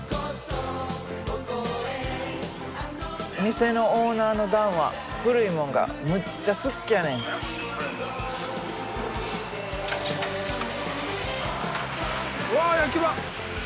店のオーナーのダンは古いもんがむっちゃ好っきゃねん。わあ野球盤！